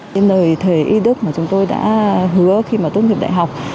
trên nơi thời y đức mà chúng tôi đã hứa khi mà tuốt nghiệp đại học